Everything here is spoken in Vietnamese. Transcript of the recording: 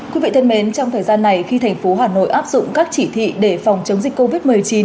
quý vị thân mến trong thời gian này khi thành phố hà nội áp dụng các chỉ thị để phòng chống dịch covid một mươi chín